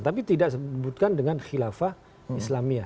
tapi tidak disebutkan dengan khilafah islamia